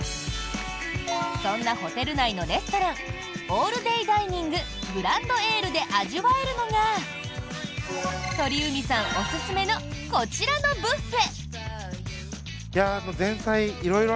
そんなホテル内のレストランオールデイダイニンググランドエールで味わえるのが鳥海さんおすすめのこちらのブッフェ。